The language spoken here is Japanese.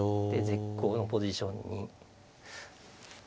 で絶好のポジションに。